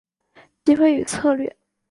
机会与策略